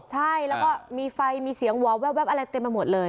ใช่แล้วก็มีไฟมีเสียงวอแว๊บอะไรเต็มไปหมดเลย